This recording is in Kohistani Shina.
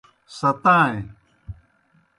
ستائیں۔